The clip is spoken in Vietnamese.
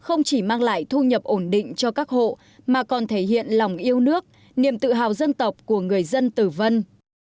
ổn định cho các hộ mà còn thể hiện lòng yêu nước niềm tự hào dân tộc của người dân tử vân